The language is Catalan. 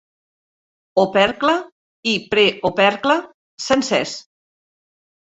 Opercle i preopercle sencers.